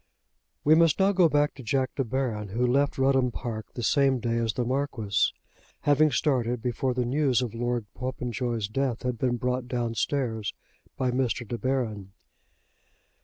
We must now go back to Jack De Baron, who left Rudham Park the same day as the Marquis, having started before the news of Lord Popenjoy's death had been brought down stairs by Mr. De Baron.